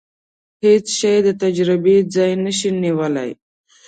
هیڅ شی د تجربې ځای نشي نیولای.